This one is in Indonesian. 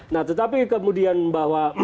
nah tetapi kemudian bahwa